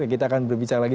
kita akan berbicara lagi